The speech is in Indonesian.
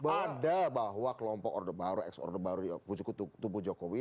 ada bahwa kelompok order baru ex order baru pucuk tubuh jokowi